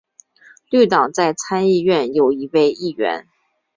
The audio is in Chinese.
绿党在参议院有一位议员。